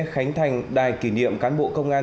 khánh thành đài kỷ niệm cán bộ công an